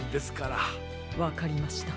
わかりました。